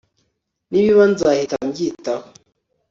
nibiba nzahita mbyitaho